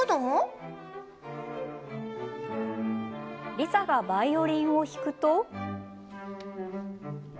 リサがバイオリンを弾くと。